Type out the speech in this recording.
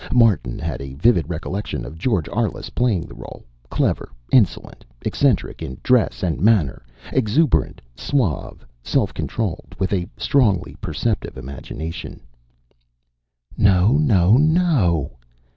Martin had a vivid recollection of George Arliss playing the role. Clever, insolent, eccentric in dress and manner, exuberant, suave, self controlled, with a strongly perceptive imagination.... "No, no, no!"